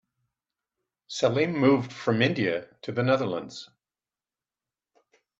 Salim moved from India to the Netherlands.